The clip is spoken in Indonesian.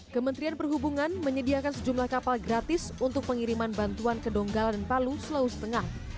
kementerian perhubungan menyediakan sejumlah kapal gratis untuk pengiriman bantuan ke donggala dan palu sulawesi tengah